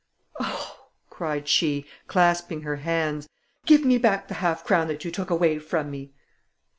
"Oh," cried she, clasping her hands, "give me back the half crown that you took away from me!"